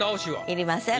いりません。